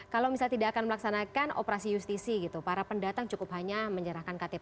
kalau misalnya tidak akan melaksanakan operasi justisi gitu para pendatang cukup hanya menyerahkan ktp